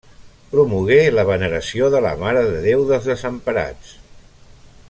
Promogué la veneració de la Mare de Déu dels Desemparats.